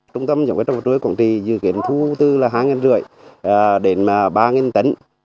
trung tâm ngoại trọng vật lúa quảng trị dự kiến thu tư là hai năm trăm linh tấn đến ba tấn